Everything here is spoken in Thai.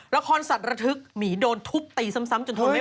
ละครสัตว์ระทึกหมีโดนทุบตีซ้ำจนทนไม่ค